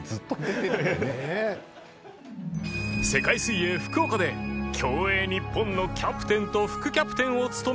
世界水泳福岡で競泳日本のキャプテンと副キャプテンを務める２人